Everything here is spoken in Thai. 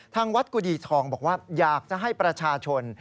ทางวัดกุดีทองบอกว่าอยากจะให้ประชาชน